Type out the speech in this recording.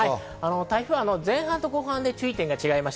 台風は前半と後半で注意点が違います。